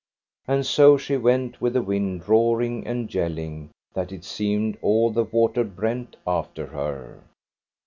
And so she went with the wind roaring and yelling, that it seemed all the water brent after her.